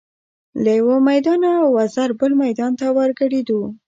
له یوه میدانه وزو بل میدان ته ور ګډیږو